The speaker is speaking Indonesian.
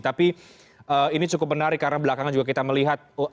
tapi ini cukup menarik karena belakangan juga kita melihat